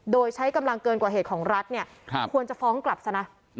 โดยใช้กำลังเกินกว่าเหตุของรัฐเนี่ยควรจะฟ้องกลับซะนะ